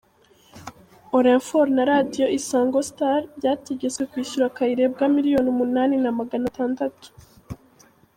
Oreforo na Radio Isango Sitari byategetswe kwishyura Kayirebwa miliyoni umunani na Magana atandadatu